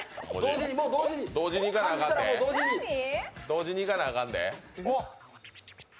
同時にいかなあかんで。